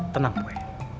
tenang poh ya